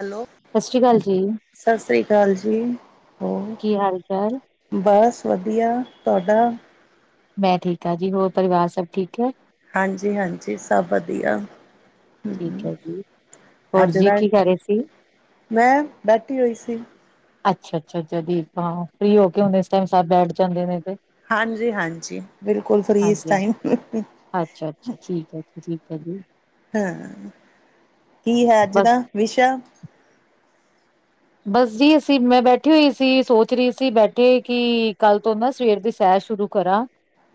Hello, ਸਤਿ ਸ੍ਰੀ ਅਕਾਲ ਜੀ, ਸਤਿ ਸ੍ਰੀ ਅਕਾਲ ਜੀ, ਹੋਰ? ਕੀ ਹਾਲ ਚਾਲ? ਬਸ ਵਧੀਆ, ਤੁਹਾਡਾ? ਮੈਂ ਠੀਕ ਹਾਂ ਜੀ, ਹੋਰ ਪਰਿਵਾਰ ਸਭ ਠੀਕ ਹੈ? ਹਾਂਜੀ ਹਾਂਜੀ, ਸਭ ਵਧੀਆ। ਠੀਕ ਹੈ ਜੀ, ਹੋਰ ਅੱਜ ਜੀ ਦਾ ਕੀ ਕਰ ਰਹੇ ਸੀ? ਮੈਂ, ਬੈਠੀ ਹੋਈ ਸੀ। ਅੱਛਾ ਅੱਛਾ ਅੱ ਦੀਪ ਹਾਂ, ਫਰੀ ਹੋ ਕੇ ਹੁਨ ਇਸ ਟੈਮ ਸਬ ਬੈਠ ਜਾਂਦੇ ਨੇ ਤੇ ਹਾਂਜੀ ਹਾਂਜੀ, ਬਿਲਕੁਲ ਫਰੀ ਇਸ ਹਾਂਜੀ ਹਾਂਜੀ ਟਾਈਮ ਜ ਠੀਕ ਜੀ। ਹਾਂ, ਕੀ ਹੈ ਅੱਜ ਬਸ ਦਾ ਵਿਸ਼ਾ? ਬਸ ਜੀ ਅਸੀਂ ਮੈਂ ਬੈਠੀ ਹੋਈ ਸੀ ਸੋਚ ਰਹੀ ਸੀ ਬੈਠੇ ਹੋ, ਕਿ ਕੱਲ ਤੋਂ ਨਾ ਸਵੇਰ ਦੀ ਸੈਰ ਸ਼ੁਰੂ ਕਰਾਂ,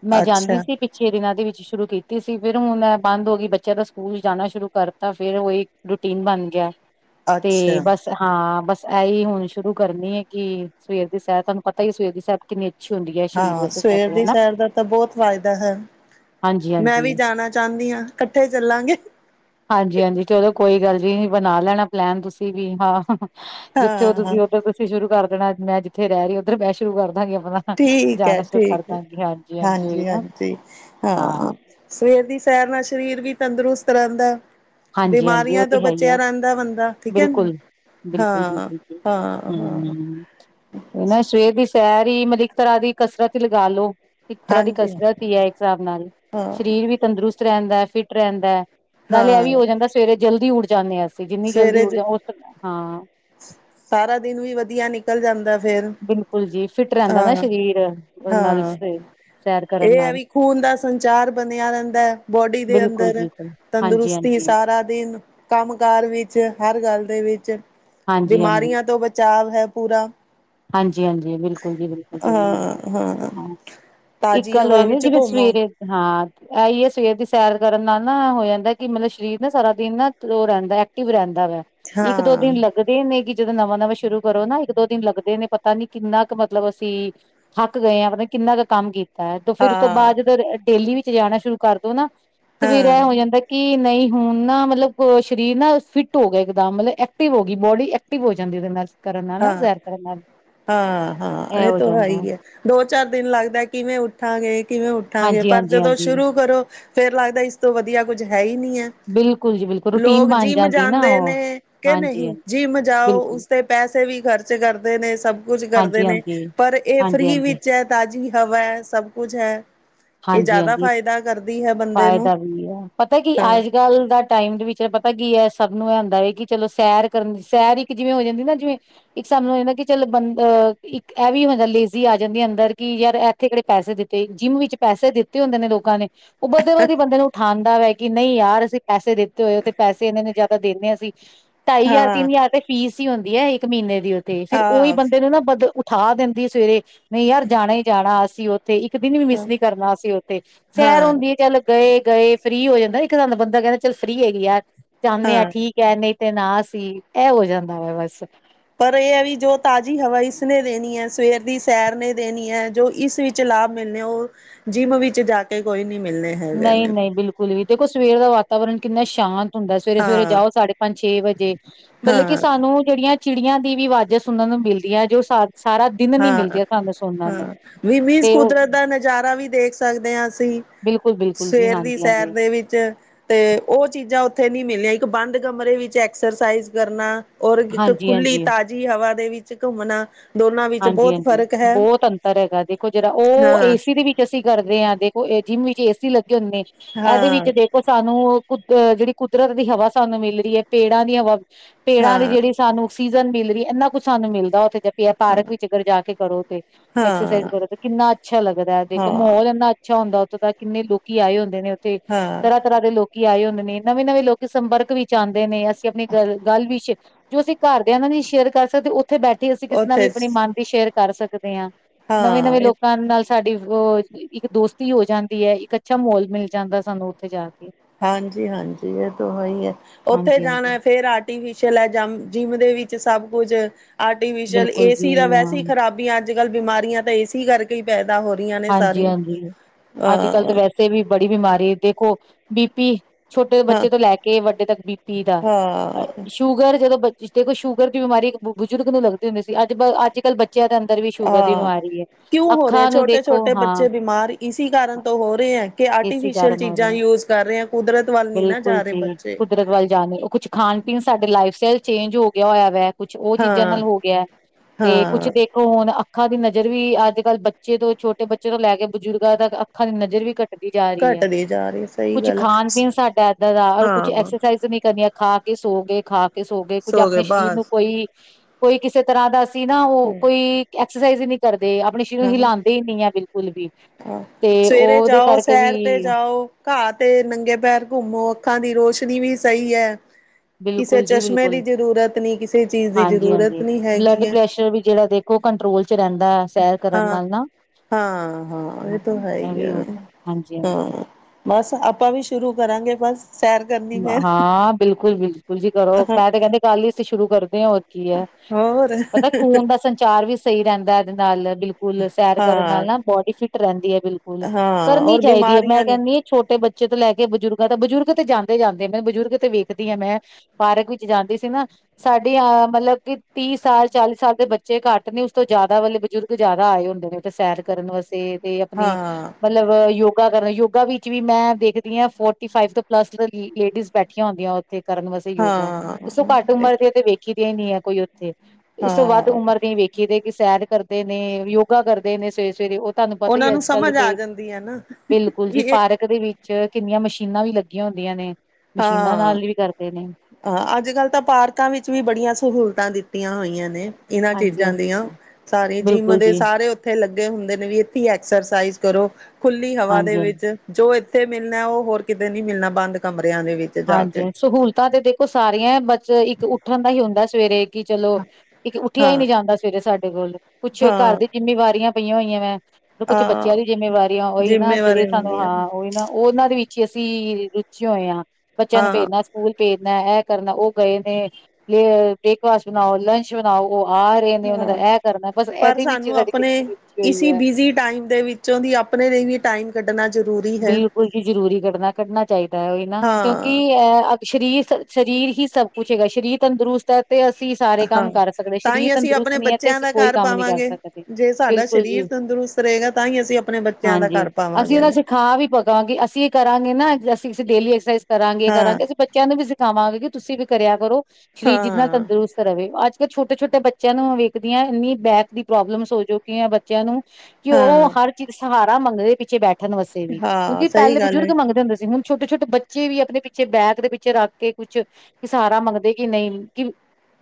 ਮੈਂ ਜਾਂਦੀ ਸੀ ਛੇ ਦਿਨਾਂ ਦੇ ਵਿੱਚ ਸ਼ੁਰੂ ਕੀਤੀ ਸੀ ਫੇਿਰ ਹੁਣ ਬੰਦ ਹੋ ਗਈ, ਬੱਚਿਆਂ ਦਾ ਸਕੂਲ ਜਾਣਾ ਸ਼ੁਰੂ ਕਰਤਾ ਫੇਿਰ ਉਹ ਰੂਟੀਨ ਬਣ ਗਿਆ, ਅੱਛਾ-ਅੱਛਾ, ਤੇ ਬੱਸ ਹਾਂ ਬੱਸ ਐ ਹੀ ਹੁਣ ਸ਼ੁਰੂ ਕਰਨੀ ਹੈ ਕਿ, ਸਵੇਰ ਦੀ ਸੈਰ ਤੁਹਾਨੂੰ ਪਤਾ ਹੀ ਸਵੇਰ ਦੀ ਸੈਰ ਕਿੰਨੀ ਅੱਛੀ ਹੁੰਦੀ ਹੈ ਸਰੀਰ ਹਾਂ, ਵਾਸਤੇ ਸਵੇਰ ਸਾਡੇ ਦੀ ਹਨਾ ਸੈਰ ਦਾ ਤਾਂ ਬਹੁਤ ਫਾਇਦਾ ਹੈ। ਹਾਂਜੀ ਮੈਂ ਹਾਂਜੀ ਵੀ ਜਾਣਾ ਚਾਹੁੰਦੀ ਹਾਂ, ਇਕੱਠੇ ਚੱਲਾਂਗੇ। ਹਾਂਜੀ ਹਾਂਜੀ ਚਲੋ ਕੋਈ ਗੱਲ ਜੀ, ਬਣਾ ਲੈਣਾ ਪਲੈਨ ਤੁਸੀਂ ਵੀ, ਹਾਂ ਜਿੱਥੇ ਉਹ ਹਾਂ-ਹਾਂ ਤੁਸੀਂ ਉੱਧਰ ਤੁਸੀਂ ਸ਼ੁਰੂ ਕਰ ਦੇਣਾ, ਮੈਂ ਜਿੱਥੇ ਰਹਿ ਰਹੀ ਉੱਧਰ ਮੈਂ ਸ਼ੁਰੂ ਕਰ ਦਾਂਗੀ ਆਪਣਾ। ਠੀਕ ਜਾਣਾ ਹੈ ਸ਼ੁਰੂ ਕਰ ਠੀਕ ਹੈ, ਦਾਂਗੀ ਉਹੀ ਹਾਂਜੀ ਨਾ ਹਾਂਜੀ ਹਾਂ। ਸਵੇਰ ਦੀ ਸੈਰ ਨਾਲ ਸਰੀਰ ਵੀ ਤੰਦਰੁਸਤ ਰਹਿੰਦਾ। ਹਾਂਜੀ ਹਾਂਜੀ ਉਹ ਬਿਮਾਰੀਆਂ ਤੋਂ ਤੇ ਹੈ ਹੀ ਬਚਿਆ ਹੈ ਰਹਿੰਦਾ ਬੰਦਾ, ਠੀਕ ਹੈ ਨਾ। ਬਿਲਕੁਲ ਬਿਲਕੁਲ ਹਾਂ -ਹਾਂ, ਹਾਂ। ਇਹ ਨਾ ਸਵੇਰ ਦੀ ਸੈਰ ਹੀ, ਮਤਲ ਇੱਕ ਤਰ੍ਹਾਂ ਦੀ ਕਸਰਤ ਹੀ ਲਗਾ ਲੋੋ। ਇੱਕ ਤਰ੍ਹਾਂ ਦੀ ਹਾਂਜੀ ਕਸਰਤ ਹੀ ਹੈ ਇੱਕ ਹਿਸਾਬ ਨਾਲ, ਹਾਂ ਸਰੀਰ ਵੀ ਤੰਦਰੁਸਤ ਰਹਿੰਦਾ, ਫਿਟ ਰਹਿੰਦਾ ਹੈ। ਨਾਲੇ ਇਹ ਹਾਂ ਵੀ ਹੋ ਜਾਂਦਾ ਸਵੇਰੇ ਜਲਦੀ ਉੱਡ ਜਾਂਦੇ ਹਾਂ ਅਸੀਂ, ਜਿੰਨੀ ਜਲਦੀ ਸਵੇਰੇ ਉੱਡ ਜ ਜਾ, ਉਸ ਹਾਂ ਸਾਰਾ ਦਿਨ ਵੀ ਵਧੀਆ ਨਿਕਲ ਨਿਕਲ ਜਾਂਦਾ ਫਿਰ, ਬਿਲਕੁਲ ਜੀ ਫਿਟ ਰਹਿੰਦਾ ਨਾ ਹਾਂ ਸਰੀਰ ਨਾਲ ਹਾਂ ਸੈਰ ਕਰਨ ਇਹ ਹੈ ਨਾਲ ਵੀ ਖੂਨ ਦਾ ਸੰਚਾਰ ਬਣਿਆ ਰਹਿੰਦਾ ਹੈ, ਬੋਡੀ ਦੇ ਬਿਲਕੁਲ ਅੰਦਰ। ਬਿਲਕੁਲ ਹਾਂਜੀ ਤੰਦਰੁਸਤੀ ਹਾਂਜੀ। ਸਾਰਾ ਦਿਨ ਕੰਮ ਕਾਰ ਵਿੱਚ ਹਰ ਗੱਲ ਦੇ ਵਿੱਚ ਹਾਂਜੀ ਹਾਂਜੀ ਬਿਮਾਰੀਆਂ ਤੋਂ ਬਚਾਵ ਹੈ ਪੂਰਾ ਹਾਂਜੀ ਹਾਂਜੀ ਜੀ ਬਿਲਕੁਲ ਜੀ ਬਿਲਕੁਲ ਹਾਂ ਜੀ ਹਾਂ ਇੱਕ ਤਾਜ਼ੀ ਗੱਲ ਹਵਾ ਹੋਏ ਨਾ ਵਿੱਚ ਜਿਵੇਂ ਘੁੰਮੋ ਸਵੇਰੇ ਹਾਂ ਇਹੀ ਹੈ ਸਵੇਰ ਦੀ ਸੈਰ ਕਰਨ ਨਾਲ ਨਾ ਹੋ ਜਾਂਦਾ ਕਿ ਮਤਲਬ ਸਰੀਰ ਨਾ ਸਾਰਾ ਦਿਨ ਨਾ ਉਹ ਰਹਿੰਦਾ ਐਕਟਿਵ ਰਹਿੰਦਾ ਵਾ ਇੱਕ ਦੋ ਹਾਂ ਦਿਨ ਲੱਗਦੇ ਨੇ ਕਿ ਜਦੋਂ ਨਵਾਂ ਨਵਾਂ ਸ਼ੁਰੂ ਕਰੋ ਨਾ ਇੱਕ ਦੋ ਦਿਨ ਲੱਗਦਾ ਨੇ ਪਤਾ ਨੀ ਕਿੰਨਾ ਕੁ ਮਤਲਬ ਅਸੀਂ ਥੱਕ ਗਏ ਹਾਂ ਆਪ ਕਿੰਨਾ ਕੁ ਕੰਮ ਕੀਤਾ ਤੇ ਫੇਿਰ ਉਸ ਤੋਂ ਹਾਂ ਬਾਅਦ ਜਦੋਂ ਡੇਲੀ ਵਿੱਚ ਜਾਣਾ ਸ਼ੁਰੂ ਕਰ ਦੋ ਨਾ ਸਵੇਰੇ ਇਹ ਹਾਂ ਹੋ ਜਾਂਦਾ ਕਿ ਨਹੀਂ ਹੁਣ ਨਾ ਮਤਲਬ ਸਰੀਰ ਨਾ ਫਿਟ ਹੋ ਗਿਆ ਇੱਕਦਮ ਮਤਲਬ ਐਕਟਿਵ ਹੋ ਗਈ ਬੋਡੀ ਐਕਟਿਵ ਹੋ ਜਾਂਦੀ ਉਹਦੇ ਨਾਲ ਕਰਨ ਨਾਲ ਹਾਂ ਸੈਰ ਕਰਨ ਨਾਲ ਹਾਂ ਹਾਂ ਇਹ ਹੋ ਤਾਂ ਹੈ ਜਾਂਦਾ ਹੀ ਹੈ ਦੋ ਚਾਰ ਦਿਨ ਲੱਗਦਾ ਕਿਵੇਂ ਉੱਠਾਂਗੇ ਕਿਵੇਂ ਉੱਠਾਂਗੇ ਹਾਂਜੀ ਪਰ ਹਾਂਜੀ ਜਦੋਂ ਹਾਂਜੀ ਸ਼ੁਰੂ ਕਰੋ ਫੇਰ ਲੱਗਦਾ ਇਸ ਤੋਂ ਵਧੀਆ ਕੁੱਝ ਹੈ ਹੀ ਨਹੀ ਹੈ ਬਿਲਕੁਲ ਜੀ ਬਿਲਕੁਲ ਰੂਟੀਨ ਲੋਕ ਬਣ ਜਿਮ ਜਾਂਦੀ ਨਾ ਜਾਂਦੇ ਉਹ ਨੇ ਕਿ ਹਾਂਜੀ ਨਹੀਂ ਹਾਂਜੀ ਜਿਮ ਜਾਓ ਬਿਲਕੁਲ ਉਸਦੇ ਪੈਸੇ ਵੀ ਖਰਚ ਕਰਦੇ ਨੇ ਸਭ ਕੁਛ ਕਰਦੇ ਹਾਂਜੀ ਹਾਂਜੀ ਨੇ ਪਰ ਇਹ ਹਾਂਜੀ ਫ੍ਰਰੀ ਹਾਂਜੀ ਵਿੱਚ ਹੈ ਤਾਜ਼ੀ ਹਵਾ ਹੈ ਸਭ ਕੁਛ ਹੈ ਇਹ ਹਾਂਜੀ ਜ਼ਿਆਦਾ ਹਾਂਜੀ ਫਾਇਦਾ ਕਰਦੀ ਹੈ ਬੰਦੇ ਨੂੰ ਫਾਇਦਾ ਵੀ ਹੈ ਪਤਾ ਕੀ ਹਾਂ ਅੱਜ ਗੱਲ ਦਾ ਟਾਈਮ ਦੇ ਵਿੱਚ ਪਤਾ ਕੀ ਹੈ ਸਭ ਨੂੰ ਇਹ ਆਉਂਦਾ ਹੈ ਕਿ ਚਲੋ ਸੈਰ ਕਰਨ ਦੀ ਸੈਰ ਇੱਕ ਜਿਵੇਂ ਹੋ ਜਾਂਦੀ ਨਾ ਜਿਵੇਂ ਇੱਕ ਸਾਨੂੰ ਕਦਾ ਕਿ ਚੱਲ ਬੰ ਇੱਕ ਇਹ ਵੀ ਹੁੰਦਾ ਲੇਜ਼ੀ ਆ ਜਾਂਦੀ ਅੰਦਰ ਕਿ ਯਾਰ ਇੱਥੇ ਕਿਹੜੇ ਪੈਸੇ ਦਿੱਤੇ ਜਿੰਮ ਵਿੱਚ ਪੈਸੇ ਦਿੱਤੇ ਹੁੰਦੇ ਨੇ ਲੋਕਾਂ ਨੇ ਉਹ ਬਧਦੇ ਵਧੀ ਬੰਦੇ ਨੂੰ ਠਾਂਦਾ ਵਾ ਕਿ ਨਹੀਂ ਯਾਰ ਅਸੀਂ ਪੈਸੇ ਦਿੱਤੇ ਹੋਏ ਤੇ ਪੈਸੇ ਇਹਨੇ ਨੂੰ ਜ਼ਿਆਦਾ ਦਿੰਦੇ ਹਾਂ ਅਸੀਂ ਢਾਈ ਹਜ਼ਾਰ ਹਾਂ ਤਿੰਨ ਹਜ਼ਾਰ ਤੇ ਫੀਸ ਹੀ ਹੁੰਦੀ ਹੈ ਇੱਕ ਮਹੀਨੇ ਦੀ ਉੱਥੇ ਫੇਿਰ ਉਹੀ ਹਾਂ ਬੰਦੇ ਨੂੰ ਨਾ ਬਦ ਅਠਾਹ ਦਿੰਦੀ ਸਵੇਰੇ ਨਹੀਂ ਯਾਰ ਜਾਣਾ ਹੀ ਜਾਣਾ ਅਸੀਂ ਉੱਥੇ ਇੱਕ ਦਿਨ ਵੀ ਮਿਸ ਨਹੀਂ ਕਰਨਾ ਅ ਸੀ ਉੱਥੇ ਸ਼ੈਰ ਹਾਂ ਹੁੰਦੀ ਹੈ ਚਲ ਗਏ ਗਏ ਫ੍ਰਰੀ ਹੋ ਜਾਂਦਾ ਇੱਕਦ ਦਾ ਬੰਦਾ ਕਹਿੰਦਾ ਚੱਲ ਫ੍ਰਰੀ ਹੈਗੀ ਆਾਰ ਜਾਣੇ ਹਾਂ ਆ ਠੀਕ ਕਹਿ ਨਹੀ ਤੇ ਨਾ ਸੀ ਇਹ ਹੋ ਜਾਂਦਾ ਵ ਬਸ ਪਰ ਇਹ ਹੈ ਵੀ ਜੋ ਤਾਜ਼ੀ ਹਵਾ ਇਸਨੇ ਦੇਣੀ ਹੈ ਸਵੇਰ ਦੀ ਸੈਰ ਨੇ ਦੇਣੀ ਹੈ ਜੋ ਇਸ ਵਿੱਚ ਵਿੱਚ ਲਾਭ ਮਿਲਣੇ ਉਹ ਜਿੰਮ ਵਿੱਚ ਜਾ ਕੇ ਕੋਈ ਨੀ ਮਿਲਣੇ ਹੈਗੇ ਨਹੀਂ ਨੇ ਨਹੀਂ ਬਿਲਕੁਲ ਵੀ ਦੇਖੋ ਸਵੇਰ ਦਾ ਵਾਤਾਵਰਨ ਕਿੰਨਾ ਸ਼ਾਂਤ ਹੁੰਦਾ ਸਵੇਰੇ ਸਵੇਰੇ ਹਾਂ ਜਾਓ ਸਾਡੇ ਪੰਜ ਛੇ ਵਜੇ ਮਤਲਬ ਕਿ ਹਾਂ ਸਾਨੂੰ ਜਿਹੜੀਆਂ ਚਿੜੀਆਂ ਦੀ ਵੀ ਅਵਾਜ਼ਾ ਸੁਣਨ ਨੂੰ ਮਿਲਦੀਆਂ ਜੋ ਸ ਸਾਰਾ ਦਿਨ ਨੀ ਹਾਂ ਮਿਲਦੀਆਂ ਸਾਨੂੰ ਸੁਣਨ ਹਾਂ ਨੂੰ ਵੀ ਵੀਜ਼ ਤੇ ਉਹ ਕੁਦਰਤ ਦਾ ਨਜ਼ਾਰਾ ਵੀ ਦੇਖ ਸਕਦੇ ਹਾਂ ਅਸੀਂ ਬਿਲਕੁਲ ਬਿਲਕੁਲ ਜੀ ਸਵੇਰ ਦੀ ਹਾਂਜੀ ਸੈਰ ਹਾਂਜੀ ਦੇ ਵਿੱਚ ਤੇ ਉਹ ਚੀਜ਼ਾਂ ਉੱਥੇ ਨੀ ਮਿਲੀਆਂ ਇੱਕ ਬੰਦ ਕਮਰੇ ਵਿੱਚ ਐਕਸਰਸਾਈਜ਼ ਕਰਨਾ ਔਰ ਇੱਕ ਹਾਂਜੀ ਕੁੁੱਲੀ ਹਾਂਜੀ ਤਾਜ਼ੀ ਹਵਾ ਦੇ ਵਿੱਚ ਘੁੰਮਣਾ ਦੋਨਾਂ ਵਿੱਚ ਹਾਂਜੀ ਬਹੁਤ ਹਾਂਜੀ ਫ਼ਰਕ ਹੈ ਬਹੁਤ ਅੰਤਰ ਹੈਗਾ ਦੇਖੋ ਜਿਹੜਾ ਉਹ ਹਾਂ ਏਸੀ ਦੀ ਵੀ ਅਸੀਂ ਕਰਦੇ ਹਾਂ ਦੇਖੋ ਇਹ ਜਿੰਮ ਵਿੱਚ ਏ ਸੀਸੀ ਲੱਗੇ ਹੁੰਦੇ ਇਹਦੇ ਹਾਂ ਵਿੱਚ ਦੇਖ ਉਹ ਸਾਨੂੰ ਕੁ ਜਿਹੜੀ ਕੁਦਰਤ ਦੀ ਹਵਾ ਸਾਨੂੰ ਮਿਲ ਰਹੀ ਹੈ ਪੇੜਾਂ ਦੀ ਹਵਾ ਪੇੜਾਂ ਦੀ ਹਾਂ ਜਿਹੜੀ ਸਾਨੂੰ ਆਕਸੀਜਨ ਮਿਲ ਰਹੀ ਇੰਨਾ ਕੁਛ ਸਾਨੂੰ ਮਿਲਦਾ ਉੱਥੇ ਜ ਪ ਹਾਂ ਪਾਰਕ ਵਿੱਚ ਅੰਧਰ ਜਾ ਕੇ ਕਰੋ ਗੇ ਐਕਸਰਸਾਈ ਹਾਂ ਕਰੋ ਤੇ ਕਿੰਨਾ ਅੱਛਾ ਲੱਗਦਾ ਦੇਖੋ ਹਾਂ ਮਾਹੌਲ ਇੰਨਾ ਅੱਛਾ ਹੁੰਦਾ ਉੱਥੋਂ ਦਾ ਕਿੰਨੇ ਲੋਕੀ ਆਏ ਹੁੰਦੇ ਨੇ ਉੱਥੇ ਹਾਂ ਤਰ ਤਰ੍ਹਾਂ ਦੇ ਲੋਕੀ ਆਏ ਹੁੰਦੇ ਨੇ ਨਵੇਂ ਨਵੇਂ ਲੋਕ ਸੰਪਰਕ ਵਿੱਚ ਆਉਂਦੇ ਨੇ ਅਸੀਂ ਆਪਣੀ ਗ ਗੱਲ ਵੀ ਸ਼ੇਅਰ ਜੋ ਅਸੀਂ ਘਰਦਿਆਂ ਨਾਲ ਨਹੀਂ ਸ਼ੇਅਰ ਕਰ ਸਕਦੇ ਉੱਥੇ ਬੈਠੈ ਅਸੀਂ ਕਿਸੇ ਨਾਲ ਵੀ ਉੱਥੇ ਆਪਣੀ ਮਨ ਦੀ ਸ਼ੇਅਰ ਕਰ ਸਕਦੇ ਹਾਂ ਨਵੇਂ ਹਾਂ ਨਵੇਂ ਇਹ ਲੋਕਾਂ ਨਾਲ ਸਾਡੀ ਅ ਇੱਕ ਦੋਸਤੀ ਹੋ ਜਾਂਦੀ ਹੈ ਇੱਕ ਅੱਛਾ ਮੋਹਲ ਮਿਲ ਜਾਂਦਾ ਸਾਨੂੰ ਉੱਥੇ ਜਾ ਕੇ ਹਾਂਜੀ-ਹਾਂਜੀ ਏ ਤੋ ਹੇਈ ਹੈ ਉੱਥੇ ਹਾਂਜੀ-ਹਾਂਜੀ ਜਾਣਾ ਫੇਰ ਆਟ ਆਰਟੀਫਿਸ਼ਲ ਜਮ ਜਿੰਮ ਦੇ ਵਿੱਚ ਸਭ ਕੁਛ ਆਰਟੀਫਿਸ਼ਲ ਬਿਲਕੁਲ ਜੀ ਏਸੀ ਦਾ ਹਾਂ ਵੈਸੇ ਹੀ ਖਰਾਬ ਵੀ ਅੱਜ ਕੱਲ ਬਿਮਾਰੀਆਂ ਤਾਂ ਏਸੀ ਕਰਕੇ ਹੀ ਪੈਦਾ ਹੋ ਰਈਆਂ ਨੇ ਸਾਰੀਆਂ ਅਹ ਤੇ ਵੀ ਬੜੀ ਬਿਮਾਰੀ ਦੇਖੋ ਬੀ ਪੀ ਛੋਟੇ ਹਾਂ ਬੱਚੇ ਤੋਂ ਲੈ ਕੇ ਵੱਡੇ ਤੱਕ ਬੀਪੀ ਦਾ ਅੱਛਾ। ਹਾਂ ਸ਼ੂਗਰ ਜਦੋਂ ਬੱਚ ਦੇਖੋ ਸ਼ੂਗਰ ਦੀ ਬਿਮਾਰੀ ਬਜ਼ੁਰਗ ਨੂੰ ਲੱਗਦੀ ਹੁੰਦੀ ਸੀ ਅੱਜ ਬ ਅੱਜ ਕੱਲ ਬੱਚਿਆਂ ਦੇ ਅੰਦਰ ਵੀ ਸ਼ੂਗਰ ਦੀ ਹਾਂ ਬਿਮਾਰੀ ਏ ਕਿਉਂ ਹੋ ਰਹੇ ਅੱਖਾਂ ਨੂੰ ਛੋਟੇ ਦੇਖ ਛੋਟੇ ਬੱਚੇ ਬਿਮਾਰ ਇਸੀ ਕਾਰਨ ਤੋਂ ਹੋ ਰਏ ਐ। ਕਿ ਇਸੀ ਆਰਟੀਫਿਸ਼ਲ ਕਾਰਨ ਹੋ ਚੀਜ਼ਾਂ ਰਿਹਾ। ਯੂਜ ਕਰ ਰਏ ਆ ਕੁਦਰਤ ਵੱਲ ਨੀ ਨਾ ਬਿਲਕੁਲ ਜਾ ਰਏ ਜੀ ਬੱਚੇ ਕੁਦਰਤ ਵੱਲ ਜਾਂਦੇ ਓ ਕੁਛ ਖਾਣ ਪੀਣ ਸਾਡੇ ਲਾਈਫ ਸਟਾਈਲ ਚੇਂਜ ਹੋ ਗਿਆ ਹੋਇਆ ਵੈ ਕੁਛ ਉਹ ਚੀਜ਼ਾਂ ਹਾਂ ਨਾਲ ਹੋ ਗਿਆ ਤੇ ਕੁਛ ਹਾਂ ਦੇਖ ਹੁਣ ਅੱਖਾਂ ਦੀ ਨਜ਼ਰ ਵੀ ਅੱਜ ਕੱਲ ਬੱਚੇ ਤੋਂ ਛੋਟੇ ਬੱਚੇ ਤੋਂ ਲੈ ਕੇ ਬਜ਼ੁਰਗਾਂ ਤੱਕ ਅੱਖਾਂ ਦੀ ਨਜ਼ਰ ਵੀ ਘਟੀ ਜਾ ਰਈ ਹੈ ਘੱਟਦੇ ਜਾ ਰਹੇ ਸਹੀ ਕੁਛ ਗੱਲ ਖਾਣ ਹੈ ਪੀਣ ਸਾਡਾ ਇਦਾਂ ਦਾ ਔਰ ਕੁਛ ਹਾਂ ਐਕਸਰਸਾਈਜ਼ ਨੀ ਕਰਨੀਆਂ। ਖਾ ਕੇ ਸੋ ਗਏ ਖਾ ਕੇ ਸੋ ਗਏ ਕੁਝ ਅਪਣੇ ਸਰੀਰ ਨੂੰ ਕੋਈ-ਕੋਈ ਕਿਸੇ ਤਰ੍ਹਾਂ ਦਾ ਨਾ ਓ ਹਮ ਕੋਈ ਐਕਸਰਸਾਈਜ਼ ਹੀ ਨਈ ਕਰਦੇ। ਅਪਣੇ ਸ਼ਰੀਰ ਨੂੰ ਹਾਂ, ਹਿਲਾਂਦੇ ਹੀ ਨਈ ਏ ਬਿਲਕੁਲ ਵੀ ਤੇ ਓ ਸਵੇਰੇ ਉਹਦੇ ਜਾਓ ਕਰ ਸੈਰ ਤੇ ਜਾਓ ਘਾਹ ਤੇ ਨੰਗੇ ਪੈਰ ਘੁੰਮੋ ਅੱਖਾਂ ਦੀ ਰੋਸ਼ਨੀ ਵੀ ਸਈ ਹੈ। ਕਿਸੇ ਬਿਲਕੁਲ ਜੀ ਚਸ਼ਮੇ ਬਿਲਕੁਲ ਦੀ ਜ਼ਰੂਰਤ ਨੀ ਕਿਸੇ ਚੀਜ਼ ਦੀ ਹਾਂਜੀ ਜ਼ਰੂਰਤ ਹਾਂਜੀ ਨੀ ਹੈਗੀ ਬਲੱਡ ਹੈ। ਪ੍ਰੈਸ਼ਰ ਵੀ ਜੇੜਾ ਦੇਖ ਓ ਕੰਟਰੋਲ 'ਚ ਰੈਂਦਾ ਸੈਰ ਕਰਨ ਨਾਲ ਨਾ। ਹਾਂ-ਹਾਂ ਹਾਂ ਇਹ ਤੋ ਹੈ ਇਹ ਹੀ ਵੀ ਐ ਹੋ ਹਾਂਜੀ ਹਾਂਜੀ ਹਾਂ। ਬਸ ਆਪਾਂ ਵੀ ਸ਼ੁਰੂ ਕਰਾਂਗੇ ਬਸ ਸੈਰ ਕਰਨੀ ਫੇਰ ਹਾਂ ਬਿਲਕੁਲ-ਬਿਲਕੁਲ ਜੀ ਕਰੋ ਮੈਂ ਤੇ ਕ ਕੈਂਦੀ ਕੱਲ ਹੀ ਅਸੀ ਸ਼ੁਰੂ ਕਰਦੇ ਹੋਰ ਕੀ ਹੈ ਹੋਰ ਪਤਾ ਖੂਨ ਦਾ ਸੰਚਾਰ ਵੀ ਸਈ ਰੈਂਦਾ ਇਹਦੇ ਨਾਲ ਬਿਲਕੁ ਬਿਲਕੁਲ ਸੈਰ ਕਰਨ ਹਾਂ ਨਾਲ ਨਾ ਬੋਡੀ ਫਿਟ ਰਹਿੰਦੀ ਹੈ ਬਿਲਕੁਲ ਹਾਂ ਕਰਨੀ ਹੋਰ ਚਾਹੀਦੀ ਹੈ ਮੈਂ ਬਿਮਾਰੀਆਂ ਨੀ ਕੈਂਣੀ। ਛੋਟੇ ਬੱਚੇ ਤੋਂ ਲੈ ਕੇ ਬਜ਼ੁਰਗਾਂ ਤਕ ਬਜ਼ੁਰਗ ਤੇ ਜਾਂਦੇ- ਜਾਂਦੇ ਮੈਂ ਬਜ਼ੁਰਗ ਤੇ ਵੇਖਦੀ ਹਾਂ ਮੈਂ ਪਾਰਕ ਵਿੱਚ ਜਾਂਦੀ ਸੀ ਨਾ। ਸਾਡੀ ਅਹ ਮਤਲਬ ਕਿ ਤੀਹ ਸਾਲ ਚਾਲੀ ਸਾਲ ਦੇ ਬੱਚੇ ਘੱਟ ਨੇ ਉਸ ਤੋਂ ਜਾਦਾ ਵਾਲੇ ਬਜ਼ੁਰਗ ਜਾਦਾ ਆਏ ਹੁੰਦੇ ਨੇ ਉਥੇ ਸੈਰ ਕਰਨ ਵਾਸੇ ਤੇ ਅਪਣੀ ਹਾਂ ਮਤਲਬ ਯੋਗਾ ਕਰਨ ਯੋਗਾ ਵਿੱਚ ਵੀ ਮੈਂ ਦੇਖਦੀ ਹਾਂ ਫੋਰਟੀ ਫਾਈਵ ਤੋਂ ਪਲੱਸ ਲੇਡੀਜ਼ ਬੈਠੀਆਂ ਹੁੰਦੀਆਂ ਉੱਥੇ ਕਰਨ ਵਾਸਤੇ ਯੋਗਾ ਹਾਂ ਉਸ ਤੋਂ ਘੱਟ ਉਮਰ ਦੇ ਵੇਖ ਵਖੀ ਦੀਆਂ ਨੀ ਹੈ ਕੋਈ ਉੱਥੇ ਉਸ ਤੋਂ ਵੱਧ ਹਾਂ ਉਮਰ ਦੀਆਂ ਵੇਖ ਕਿਦੇ ਕਿ ਸੈਰ ਕਰਦੇ ਨੇ ਯੋਗਾ ਕਰਦੇ ਨੇ ਸਵੇਰੇ-ਸਵੇਰੇ ੳਥੇ ਤੁਹਾਨੂੰ ਪਤਾ ਉਹਨਾਂ ਹੀ ਨੂੰ ਅੱਜ ਕੱਲ੍ਹ ਸਮਝ ਆ ਤੇ ਜਾਂਦੀ ਹੈ ਨਾ ਬਿਲਕੁਲ ਵੀ ਜੀ ਇਹ ਪਾਰਕ ਦੇ ਵਿੱਚ 'ਚ ਕਿੰਨੀਆਂ ਮਸ਼ੀਨਾਂ ਵੀ ਲੱਗੀਆਂ ਹੁੰਦੀਆਂ ਨੇ। ਮਸ਼ੀਨਾਂ ਹਾਂ ਨਾਲ ਵੀ ਕਰਦੇ ਨੇ ਹਾਂ ਅੱਜ ਕੱਲ ਤਾਂ ਪਾਰਕਾਂ ਵਿੱਚ ਵੀ ਬੜੀਆਂ ਸਹੂਲਤਾਂ ਦਿੱਤੀਆਂ ਹੋਈਆਂ ਨੇ। ਇਹਨਾਂ ਹਾਂਜੀ ਚੀਜ਼ਾਂ ਦੀਆਂ ਹਾਂਜੀ ਸਾਰੀ ਜਿੰਮ ਬਿਲਕੁਲ ਦੇ ਜੀ ਸਾਰੇ ਇੱਥੇ ਲੱਗੇ ਹੁੰਦੇ ਨੇ ਵੀ ਇੱਥੇ ਹੀ ਐਕਸਰਸਾਈਜ਼ ਕਰੋ ਖੁੱਲੀ ਹਵਾ ਦੇ ਹਾਂਜੀ ਹਾਂਜੀ ਵਿੱਚ ਜੋ ਇੱਥੇ ਮਿਲਣਾ ਉਹ ਹੋਰ ਕਿਤੇ ਨੀ ਮਿਲਨਾ ਬੰਦ ਕਮਰਿਆਂ ਦੇ ਵਿੱਚ ਜਾ ਕੇ ਹਾਂਜੀ ਸਹੂਲਤਾਂ ਤੇ ਦੇਖੋ ਸਾਰੀਆਂ ਬੱਸ ਇੱਕ ਉੱਠਣ ਦਾ ਹੀ ਹੁੰਦਾ ਸਵੇਰੇ ਕਿ ਚਲੋ ਇੱਕ ਉੱਠਿਆ ਹੀ ਹਾਂ ਨਈ ਜਾਂਦਾ ਸਵੇਰੇ ਸਾਡੇ ਕੋਲ ਕੁੱਛ ਘਰ ਹਾਂ ਦੀ ਜਿੰਮੇਵਾਰੀਆਂ ਪਈਆਂ ਹੋਈਆਂ ਨੇ ਤੇ ਕੁੱਛ ਬੱਚਿਆਂ ਅਹ ਦੀ ਜਿੰਮੇਵਾਰੀਆਂ ਉਹੀ ਨਾ ਜਿਹੜੇ ਜਿੰਮੇਵਾਰੀ ਸਾਨੂੰ ਹੁੰਦੀਆਂ ਹਾਂ ਉਹੀ ਨਾ ਉਹਨਾਂ ਦੇ ਵਿੱਚ ਹੀ ਅਸੀਂ ਰੁਚੇ ਹੋਏ ਹਾਂ ਬੱਚਿਆਂ ਨੂੰ ਹਾਂ ਭੇਜਨਾ ਸਕੂਲ ਭੇਜਨਾ ਇਹ ਕਰਨਾ ਓ ਗਏ ਨੇ ਕੇ ਬ੍ਰੇਕਫਾਸਟ ਬਣਾਓ ਲੰਚ ਚੁਣਾਓ ਉਹ ਆ ਰਹੇ ਨੇ, ਉਹਨਾਂ ਦਾ ਹਾਂ ਇਹ ਕਰਨਾ, ਬਸ ਪਰ ਇਹਦੇ ਵਿੱਚ ਸਾਨੂੰ ਸਾਡੀ ਆਪਣੇ ਜ਼ਿੰਦਗੀ ਰੁਚੀ ਹੋਈ ਐ। ਵਿੱਚੋ ਦੀ ਅਪਣੇ ਲਈ ਵੀ ਟਾਈਮ ਕੱਢਣਾ ਜ਼ਰੂਰੀ ਹੈ ਬਿਲਕੁਲ ਜੀ ਜ਼ਰੂਰੀ ਕੱਢਣਾ, ਕੱਢਣਾ ਚਾਹੀਦਾ ਓਹੀ ਨਾ, ਕਿਉਂਕਿ ਹਾਂ ਅ ਸਰੀਰ ਸਰੀਰ ਹੀ ਸਭ ਕੁਛ ਹੈਗਾ, ਸਰੀਰ ਤੰਦਰੁਸਤ ਐ ਤੇ ਅਸੀਂ ਸਾਰੇ ਹਾਂ ਕੰਮ ਕਰ ਸਕਦੇ ਤਾਂ ਸਰੀਰ ਹੀ ਅਸੀਂ ਤੰਦਰੁਸਤ ਆਪਣੇ ਨੀ ਐ ਤੇ ਬੱਚਿਆਂ ਅਸੀਂ ਦਾ ਕੋਈ ਘਰ ਕੰਮ ਨੀ ਕਰ ਪਾਵਾਂਗੇ। ਸਕਦੇ। ਬਿਲਕੁਲ ਜੀ। ਰਰੇਗਾ ਤਾਂਹੀ ਅਸੀਂ ਅਪਣੇ ਬੱਚਿਆਂ ਦਾ ਘਰ ਪਾਵਾਂਗੇ। ਖਾਂ ਵੀ ਪਕਾਂਗੇ ਅਸੀਂ ਇਹ ਕਰਾਂਗੇ ਨਾ ਅਸੀਂ ਡੇਲੀ ਐਕਸਰਸਾਈਜ਼ ਕਰਾਂਗੇ ਇਹ ਹਾਂ ਕਰਾਂਗੇ ਅਸੀਂ [unintelligible] ਬੱਚਿਆਂ ਨੂੰ ਵੀ ਸਿਖਾਵਾਂਗੇ ਕਿ ਤੁਸੀਂ ਵੀ ਕਰਿਆ ਕਰੋ ਸਰੀਰ ਜਿਨ੍ਹਾਂ ਹਾਂ ਤੰਦਰੁਸਤ ਰਵੇ ਅੱਜ ਕੱਲ ਛੋਟੇ ਛੋਟੇ ਬੱਚਿਆਂ ਨੂੰ ਵੇਖਦੀ ਆ ਇੰਨੀ ਬੈਕ ਦੀ ਪ੍ਰੋਬਲਮਸ ਹੋ ਚੁੱਕੀ ਏ ਬੱਚਿਆਂ ਨੂੰ ਕੀ ਓ ਹਾਂ ਹਰ ਚੀਜ਼ ਸਹਾਰਾ ਮੰਗਦੇ ਪਿੱਛੇ ਬੈਠਣ ਵਾਸਤੇ ਵੀ ਹਾਂ ਕਿਉਂਕਿ ਸਹੀ ਪਹਿਲੇ ਗੱਲ ਹੈ ਬਜ਼ੁਰਗ ਮੰਗਦੇ ਹੁੰਦੇ ਸੀ। ਛੋਟੇ ਛੋਟੇ ਬੱਚੇ ਵੀ ਆਪਣੇ ਪਿੱਛੇ ਬੈਕ ਦੇ ਵਿੱਚ ਰੱਖ ਕੇ ਕੁਝ ਸਾਰਾ ਮੰਗਦੇ ਕਿ ਨਹੀਂ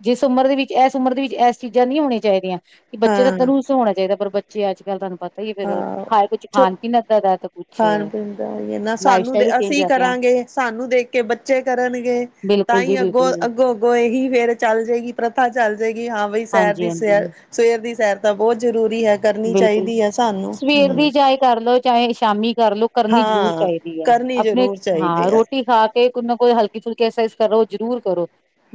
ਜਿਸ ਉਮਰ ਦੇ ਵਿੱਚ ਏਸ ਉਮਰ ਦੀ ਐਸ ਚੀਜ਼ਾਂ ਨਹੀਂ ਹੋਣੀ ਚਾਈ ਦੀਆਂ। ਕਿ ਬੱਚੇ ਦਾ ਤਾਂ ਹਾਂ ਰੂਲਸ ਹੋਣਾ ਚਾਈਦਾ ਪਰ ਬੱਚੇ ਅੱਜ ਕੱਲ ਤੁਹਾਨੂੰ ਪਤਾ ਹੀ ਫੇਰ ਖਾਏ ਕੁਛ ਖਾਣ- ਪੀਣ ਇੱਦਾਂ ਦਾ ਐ ਖਾਣ-ਪੀਣ ਦਾ ਓਹੀ ਆ ਨਾ ਸਾਨੂੰ ਦੇ ਚੇਂਜ ਅਸੀਂ ਹੋਇਆ ਪਿਆ ਕਰਾਂਗੇ ਸਾਨੂੰ ਦੇਖ ਕੇ ਬੱਚੇ ਕਰਨਗੇ। ਬਿਲਕੁਲ ਜੀ ਬਿਲਕੁਲ ਜੀ। ਅਗੋ-ਅਗੋ ਏਹੀ ਫੇਰ ਚੱਲ ਜੇਗੀ ਪ੍ਰਥਾ ਚੱਲ ਜੇਗੀ ਹਾਂ ਬਈ ਸੈਰ ਹਾਂਜੀ ਦੀ ਹਾਂਜੀ ਸੈਰ ਸਵੇਰ ਦੀ ਸੈਰ ਤਾ ਬਹੁਤ ਜ਼ਰੂਰੀ ਐ। ਕਰਨੀ ਬਿਲਕੁਲ ਚਾਈਦੀ ਐ। ਸਵੇਰ ਦੀ ਚਾਹੇ ਕਰਲੋ ਚਾਹੇ ਸ਼ਾਮੀ ਕਰਲੋ। ਕਰਨੀ ਜ਼ਰੂਰੀ ਹਾਂ ਚਾਈਦੀ ਐ। ਕਰਨੀ ਆਪਣੇ ਜ਼ਰੂਰ ਹਾਂ ਚਾਹੀਦੀ ਹੈ ਰੋਟੀ ਖਾ ਕ ਤੇ ਕੋਈ ਨਾ ਕੋਈ ਹਲਕੀ-ਫੁਲਕੀ ਐਕਸਸਾਈਜ਼ ਕਰੋ ਜ਼ਰੂਰ ਕਰੋ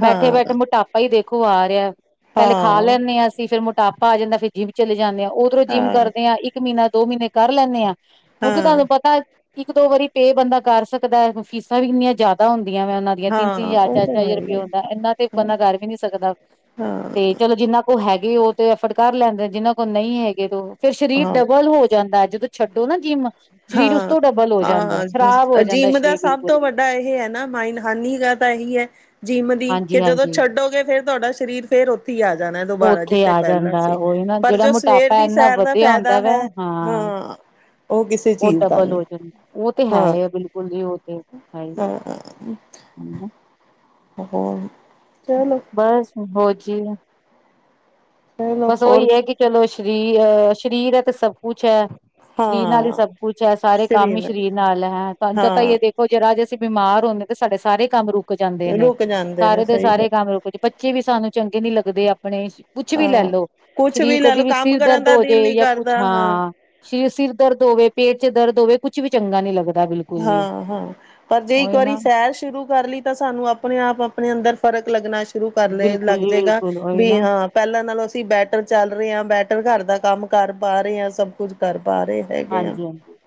ਹਾਂ ਬੈਠੇ-ਬੈਠੇ ਮੋਟਾਪਾ ਈ ਦੇਖੋ ਆ ਰਿਆ। ਪਹਿਲੇ ਖਾ ਹਾਂ ਲੈਂਨੇ ਆ ਅਸੀਂ ਫੇਰ ਮੋਟਾਪਾ ਆ ਜਾਂਦਾ ਫੇਰ ਜਿੰਮ ਚਲੇ ਜਾਂਨੇ ਆ ਉਧਰੋਂ ਜਿੰਮ ਹਾਂ ਕਰਦੇ ਆ ਇੱਕ ਇੱਕ ਮਹੀਨਾ ਦੋ ਮਹੀਨੇ ਕਰ ਲੈਨੇ ਆਂ ਕਿਉਂਕਿ ਹਾਂ ਤੁਹਾਨੂੰ ਪਤਾ ਇੱਕ ਦੋ ਵਾਰੀ ਪੇ ਬੰਦਾ ਕਰ ਸਕਦਾ ਅਗੋਂ ਫੀਸਾਂ ਵੀ ਇੰਨੀਆਂ ਜ਼ਿਆਦਾ ਹੁੰਦੀਆਂ ਵਾ ਉਨਾਂ ਆਂ ਤਿੰਨ-ਤਿੰਨ ਹਾਂ ਹਜ਼ਾਰ ਉਹ ਤਾਂ ਚਾਰ-ਚਾਰ ਹੈ ਹਜ਼ਾਰ ਹੀ ਰੁਪਇਆ ਹੈ ਹੁੰਦਾ। ਏਨਾ ਤੇ ਬੰਦਾ ਕਰ ਵੀ ਨੀ ਸਕਦਾ ਹਾਂ ਤੇ ਚਲੋ ਜਿੰਨਾ ਉਹ ਹੈਗੇ ਉਹ ਤੇ ਐਫਰਟ ਕਰ ਲੈਂਦੇ ਜਿਨਾਂ ਕੋਲ ਨਹੀਂ ਹੈਗੇ ਤੇ ਉਹ ਫੇਰ ਸ਼ਰੀਰ ਹਾਂ ਡਬਲ ਹੋ ਜਾਂਦਾ ਜਦੋਂ ਛੱਡੋ ਨਾ ਜਿਮ ਸ਼ਰੀਰ ਉਸ ਹਾਂ ਤੋਂ ਡਬਲ ਹੋ ਜਾਂਦਾ ਖ਼ਰਾਬ ਹੋ ਜਾਂਦਾ ਸ਼ਰੀਰ ਬਿਲਕੁਲ ਵੀ ਤਾ ਇਹ ਆ ਨਾ ਮਾਇਨ ਹਾਨੀ ਜ਼ਿਆਦਾ ਤਾਂ ਏਹੀ ਆ ਜਿੰਮ ਦੀ ਕਿ ਹਾਂਜੀ ਜਦੋਂ ਹਾਂਜੀ ਛੱਡੋਗੇ ਫੇਰ ਤੁਹਾਡਾ ਸਰੀਰ ਫੇਰ ਓਥੇ ਈ ਆ ਜਾਨਾ ਦੁਬਾਰਾ ਉੱਥੇ ਜਿੱਥੇ ਆ ਪਹਿਲਾਂ ਜਾਂਦਾ ਸੀ ਉਹੀ ਨਾ ਪਰ ਜਿਹੜਾ ਜੋ ਸਵੇਰ ਮੋਟਾਪਾ ਦੀ ਇੰਨਾ ਸੈਰ ਦਾ ਵਧਿਆ ਹੁੰਦਾ ਫੈਦਾ ਵੈ ਹੈ ਹਾਂ। ਓ ਕਿਸੇ ਉਹ ਚੀਜ਼ ਦਾ ਡਬਲ ਨਹੀਂ ਹੋ ਜਾਂ ਉਹ ਤੇ ਹੈ ਹਾਂ ਐ ਬਿਲਕੁਲ ਜੀ ਉਹ ਤੇ ਹੈਈ ਐ। ਹਾਂ ਹੂੰ, ਹੋਰ, ਚਲੋ ਬਸ ਹੋਰ ਜੀ ਚਲੋ ਬਸ ਉਹੀ ਹੋਰ ਐ ਕਿ ਚਲੋ ਸ਼ਰੀ ਐ ਸ਼ਰੀਰ ਐ ਤੇ ਸਭ ਕੁਛ ਐ। ਸ਼ਰੀਰ ਨਾਲ ਈ ਹਾਂ ਸਭ ਕੁਛ ਐ ਸਾਰੇ ਕੰਮ ਹੀ ਸਵੇਰ ਸ਼ਰੀਰ ਨਾਲ ਹੈ ਤਾਂ ਜਾ ਹਾਂ ਤਾਂ [unintelligible] ਓ ਜਰਾ ਜੇ ਅਸੀਂ ਬਿਮਾਰ ਹੁੰਨੇ ਤੇ ਸਾਡੇ ਸਾਰੇ ਈ ਕੰਮ ਰੁਕ ਜਾਂਦੇ ਨੇ ਰੁਕ ਜਾਂਦੇ ਨੇ ਸਾਰੇ ਦੇ ਸ ਸਹੀ ਗੱਲ ਕੰਮ ਰੁਕ ਬੱਚੇ ਵੀ ਸਾਨੂੰ ਚੰਗੇ ਨੀ ਲੱਗਦੇ ਆਪਣੇ। ਕੁੱਛ ਵੀ ਲੈ ਹਾਂ ਲੋ ਕੁਛ ਸ਼ਰੀਰ ਲੈ ਕਦੀ ਲਓ ਵੀ ਕੰਮ ਸਿਰ ਕਰਨ ਦਰਦ ਦਾ ਹੋਜੇ ਦਿਲ ਨੀ ਜਾ ਕੁਛ ਕਰਦਾ ਹਾਂ। ਸ਼ਰੀਰ ਸਿਰ ਦਰਦ ਹੋਵੇ, ਪੇਟ ਚ ਦਰਦ ਹੋਵੇ ਕੁਛ ਵੀ ਚੰਗਾ ਨੀ ਲਗ ਹਾਂ-ਹਾਂ, ਪਰ ਜੇ ਇੱਕ ਉਹੀ ਵਾਰੀ ਨਾ ਸੈਰ ਸ਼ੁਰੂ ਕਰਲੀ ਤਾਂ ਸਾਨੂੰ ਆਪਣੇ ਆਪ ਆਪਣੇ ਅੰਦਰ ਫ਼ਰਕ ਲੱਗਣਾ ਸ਼ੁਰੂ ਕਰਲੇ ਬਿਲਕੁਲ ਲੱਗ ਜੀ ਜੇਗਾ ਬਿਲਕੁਲ ਉਹੀ ਵੀ ਨਾ ਹਾਂ ਪਹਿਲਾਂ ਨਾਲੋਂ ਅਸੀ ਬੈਟਰ ਚੱਲ ਰੇ ਆ। ਬੈਟਰ ਘਰ ਦਾ ਕੰਮ ਕਰ ਪਾ ਰੇ ਆ। ਸਭ ਕੁਝ ਕਰ ਪਾ ਰੇ ਆ। ਹਾਂਜੀ- ਹਾਂਜੀ।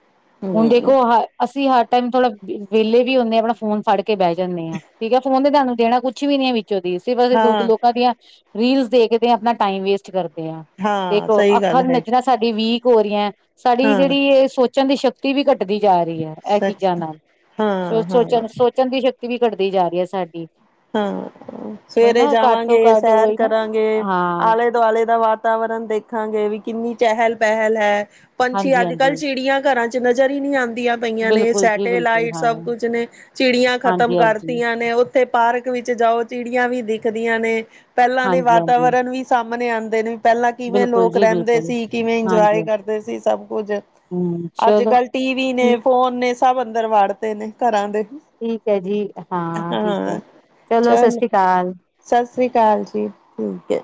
ਹੁਣ ਹਮ ਦੇਖੋ ਹ ਅਸੀਂ ਹਰ ਟਾਈਮ ਥੋੜਾ ਵੇਲੇ ਵੀ ਹੁੰਨੇ ਆ ਆਪਣਾ ਫੋਨ ਫੜ। ਕੇ ਬਹਿ ਜਾਂਨੇ ਆ ਠੀਕ ਆ ਫੋਨ ਨੇ ਸਾਨੂੰ ਦੇਣਾ ਕੁੱਛ ਵੀ ਨੀ ਐ ਵਿੱਚੋ ਦੀ ਸਿਵਾਏ ਹਾਂ ਲੋਕਾਂ ਦੀਆਂ। ਰੀਲਸ ਦੇਖਦੇ ਆਂ। ਆਪਣਾ ਟਾਈਮ ਵੇਸਟ ਕਰਦੇ ਆਂ। ਹਾਂ ਦੇਖੋ ਸਹੀ ਗੱਲ ਅੱਖਾਂ ਹੈ ਨਜਰਾਂ ਸ। ਸਾਡੀ ਵੀਕ ਹੋ ਰੀ ਐ। ਸਾਡੀ ਹਾਂ ਜੇਹੜੀ ਏਹ ਸੋਚਣ ਦੀ ਸ਼ਕਤ। ਤੀ ਵੀ ਘੱਟਦੀ ਜਾ ਰੀ ਹੈ ਏਹ ਸੱਚ ਚੀਜ਼ਾਂ ਨਾਲ। ਹਾਂ ਸੋਚੋਂ ਹਾਂ ਚਲ ਸੋਚ। ਸੋਚਣ ਦੀ ਸ਼ਕਤੀ ਵੀ ਘੱਟਦੀ ਜਾ ਰੀ ਹੈ ਸਾਡੀ। ਹਾਂ ਉਹੀ ਸਵੇਰੇ ਨਾ ਘੱਟ ਤੋਂ ਜਾਵਾਂਗੇ, ਘੱਟ ਸੈਰ ਉਹੀ ਨਾ ਕਰਾਂਗੇ ਹਾਂ ਆਲੇ। ਦੁਆਲੇ ਦਾ ਵਾਤਾਵਰਨ ਦੇਖਾਂਗੇ ਵੀ ਕਿੰਨੀ ਚਹਿਲ- ਪਹਿਲ ਹੈ। ਪੰਛੀ ਹਾਂਜੀ ਅੱਜ- ਹਾਂਜੀ ਕੱਲ ਚਿੜੀਆਂ ਘਰਾਂ ਚ ਨਜ਼ਰ ਈ ਨੀ ਆਂਦੀਆਂ। ਪਈਆਂ ਨੇ ਬਿਲਕੁਲ ਜੀ ਬਿਲਕੁਲ ਸੈਟੇਲਾਈਟ ਹਾਂ ਸਭ ਕੁਝ ਨੇ ਚਿੜੀਆਂ ਖਤਮ ਹਾਂਜੀ ਹਾਂਜੀ ਕਰਤੀਆਂ ਨੇ ਓ। ਪਾਰਕ ਵਿੱਚ ਜਾਓ, ਚਿੜੀਆਂ ਵੀ ਦਿਖਦੀਆਂ ਨੇ, ਪਹਿਲਾਂ ਦੇ ਹਾਂਜੀ ਹਾਂਜੀ ਵਾਤਾਵਰਨ ਵੀ ਸਾਹਮਣੇ ਆਂਦੇ ਨੇ। ਪਹਿਲਾਂ ਕਿਵੇਂ ਬਿਲਕੁਲ ਲੋਕ ਜੀ ਰਹਿੰਦੇ ਬਿਲਕੁਲ ਸੀ, ਕਿਵੇਂ ਇੰਨਜੋਏ ਹਾਂਜੀ ਕਰਦੇ ਸੀ, ਸਭ ਕੁਝ। ਹੂੰ ਚਲੋ ਅੱਜ-ਕੱਲ ਟੀਵੀ ਨੇ, ਠੀਕ ਫੋਨ ਨੇ, ਸਭ ਅੰਦਰ ਵਾੜਤੇ ਨੇ, ਘਰਾਂ ਦੇ। ਠੀਕ ਐ ਜੀ, ਹਾਂ ਠੀਕ ਐ, ਚਲੋ ਚੱਲ ਸਸਰੀ ਅਕਾਲ। ਸਤਿ ਸ੍ਰੀ ਅਕਾਲ ਜੀ, ਠੀਕ ਐ।